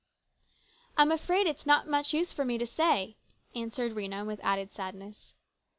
" I'm afraid it's not much use for me to say," answered Rhena with added sadness.